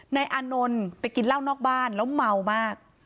นายอานนท์ไปกินเหล้านอกบ้านแล้วเมามาก